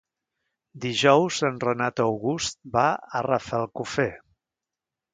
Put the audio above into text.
Dijous en Renat August va a Rafelcofer.